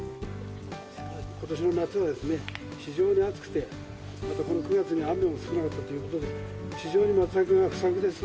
ことしの夏はですね、非常に暑くて、９月に雨も少なかったということで、非常にマツタケが不作です。